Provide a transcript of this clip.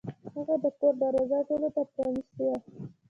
هغه د کور دروازه ټولو ته پرانیستې وه.